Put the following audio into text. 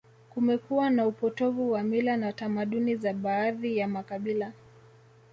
Kumekuwa na upotovu wa mila na tamaduni za baadhi ya makabila